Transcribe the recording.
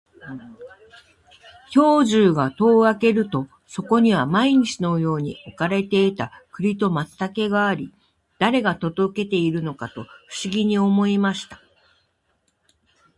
兵十が戸を開けると、そこには毎日のように置かれていた栗と松茸があり、誰が届けているのかと不思議に思いました。